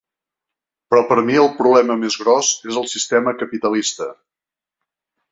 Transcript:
Però per mi el problema més gros és el sistema capitalista.